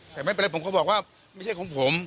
แต่ไม่เป็นไรผมก็บอกว่าไม่ใช่ของผม